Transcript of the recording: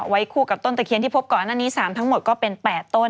ไว้คู่กับต้นตะเคียนที่พบก่อนหน้านี้๓ทั้งหมดก็เป็น๘ต้น